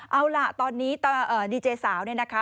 เอาล่ะตอนนี้ดีเจสาวเนี่ยนะคะ